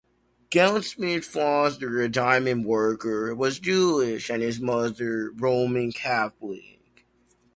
Goudsmit's father, a diamond worker, was Jewish and his mother Roman Catholic.